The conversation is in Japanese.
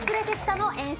の演出